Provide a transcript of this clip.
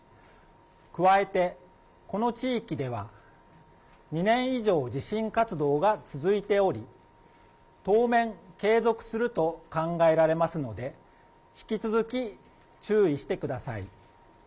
加えて、この地域では２年以上地震活動が続いており、当面、継続すると考えられますので、引き続き注意してください。